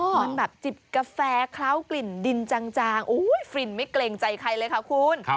มันแบบจิบกาแฟเคล้ากลิ่นดินจางฟินไม่เกรงใจใครเลยค่ะคุณ